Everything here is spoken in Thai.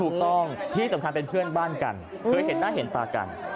ถูกต้องที่สำคัญเป็นเพื่อนบ้านกันเคยเห็นหน้าเห็นตากัน